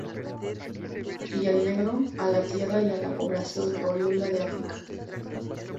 Y el negro, a la tierra y a la población oriunda de África.